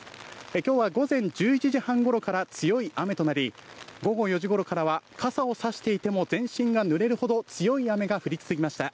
きょうは午前１１時半ごろから強い雨となり、午後４時ごろからは傘を差していても全身がぬれるほど強い雨が降り続きました。